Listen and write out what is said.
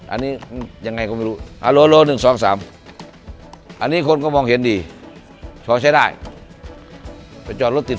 อันนี้ยังไงก็ไม่รู้